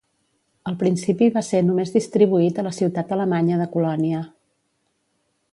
Al principi va ser només distribuït a la ciutat alemanya de Colònia.